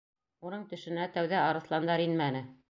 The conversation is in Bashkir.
Уның төшөнә тәүҙә арыҫландар инмәне.